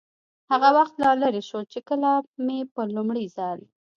هغه وخت لا لرې شول، چې کله مې په لومړي ځل.